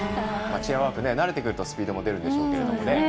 慣れてくるとスピードも出るんでしょうけどね。